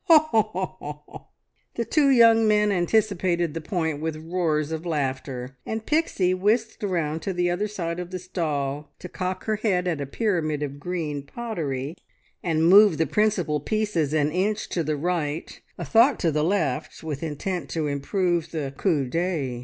"Ho, ho, ho!" The two young men anticipated the point with roars of laughter, and Pixie whisked round to the other side of the stall to cock her head at a pyramid of green pottery, and move the principal pieces an inch to the right, a thought to the left, with intent to improve the coup d'oeil.